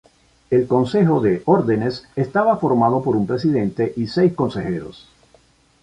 El Consejo de Órdenes estaba formado por un presidente y seis consejeros.